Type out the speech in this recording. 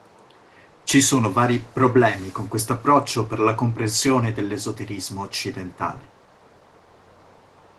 Ci sono vari problemi con questo approccio per la comprensione dell'esoterismo occidentale.